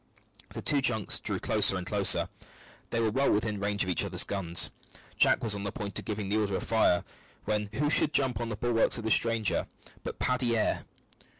The two junks drew closer and closer. They were well within range of each other's guns. Jack was on the point of giving the order to fire, when who should jump up on the bulwarks of the stranger but Paddy Adair.